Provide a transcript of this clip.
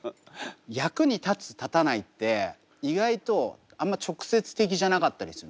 役に立つ立たないって意外とあんま直接的じゃなかったりするんですよ。